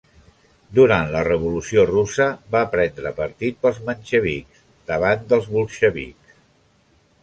Durant la revolució russa va prendre partit pels menxevics davant dels bolxevics.